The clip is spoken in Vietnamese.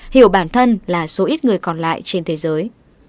hiểu bản thân là số ít người còn lại trên thế giới